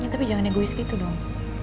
tapi jangan egois gitu dong